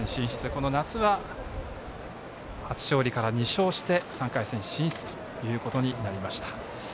この夏は初勝利から２勝して３回戦進出ということになりました。